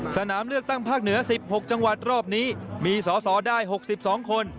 สนามเลือกตั้งภาคเหนือสิบหกจังหวัดรอบนี้มีสอสอได้หกสิบสองคน